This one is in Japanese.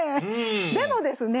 でもですね